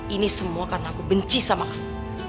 ini semua karena aku benci sama aku